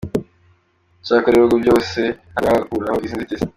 Icyakora ibihugu byose ntabwo birakuraho izi nzitizi.